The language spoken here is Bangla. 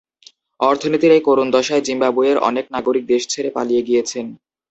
অর্থনীতির এই করুণ দশায় জিম্বাবুয়ের অনেক নাগরিক দেশ ছেড়ে পালিয়ে গিয়েছেন।